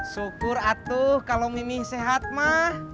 syukur atuh kalau mimi sehat mah